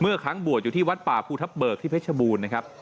ครั้งบวชอยู่ที่วัดป่าภูทับเบิกที่เพชรบูรณ์นะครับ